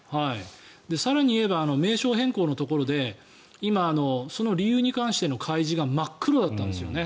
更に言えば、名称変更のところで今、その理由に関しての開示が真っ黒だったんですよね